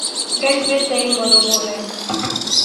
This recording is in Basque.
Gaiz beste egingo dugu orain.